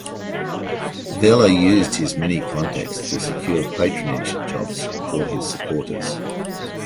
Velella used his many contacts to secure patronage jobs for his supporters.